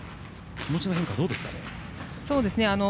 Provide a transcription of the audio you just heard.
気持ちの変化はどうですかね。